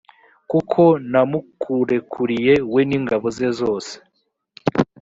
kuko namukurekuriye, we n’ingabo ze zose